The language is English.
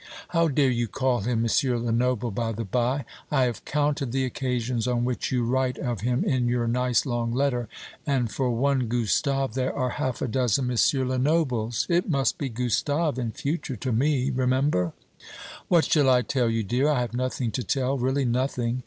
How dare you call him M. Lenoble, by the bye? I have counted the occasions on which you write of him in your nice long letter, and for one Gustave there are half a dozen M. Lenobles. It must be Gustave in future to me, remember. What shall I tell you, dear? I have nothing to tell, really nothing.